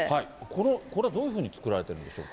これはどういうふうに作られているんでしょうか。